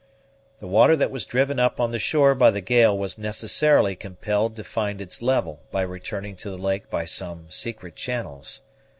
The water that was driven up on the shore by the gale was necessarily compelled to find its level by returning to the lake by some secret channels.